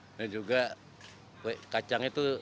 ini juga kacang itu